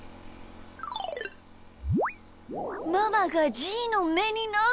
ママがじーのめになってる！